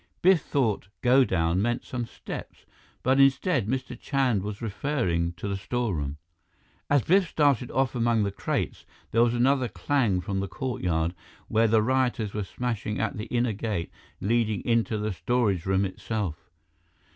Biff thought "godown" meant some steps, but instead, Mr. Chand was referring to the storeroom. As Biff started off among the crates, there was another clang from the courtyard, where the rioters were smashing at the inner gate leading into the storage room itself.